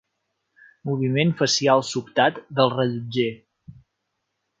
Moviment facial sobtat del rellotger.